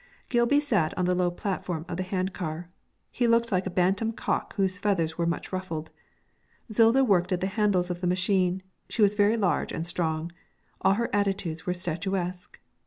Gilby sat on the low platform of the hand car. He looked like a bantam cock whose feathers were much ruffled. Zilda worked at the handles of the machine; she was very large and strong, all her attitudes were statuesque.